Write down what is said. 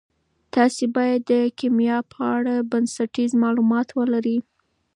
تاسي باید د کیمیا په اړه بنسټیز معلومات ولرئ.